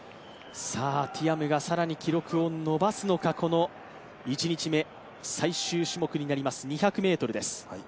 ティアムが更に記録を伸ばすのか、この１日目、最終種目になります、２００ｍになります。